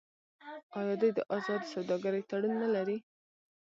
آیا دوی د ازادې سوداګرۍ تړون نلري؟